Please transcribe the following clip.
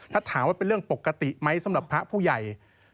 ถ้าถามว่าเป็นเรื่องปกติไหมสำหรับพระผู้ใหญ่